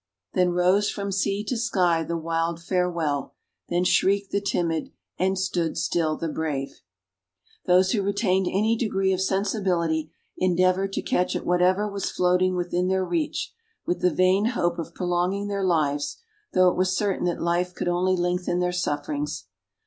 "Then rose from sea to sky the wild farewell, Then shrieked the timid, and stood still the brave." Those who retained any degree of sensibility endeavored to catch at whatever was floating within their reach, with the vain hope of prolonging their lives though it was certain that life could only lengthen their sufferings.